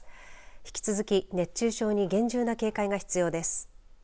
引き続き熱中症に厳重な警戒が必要です。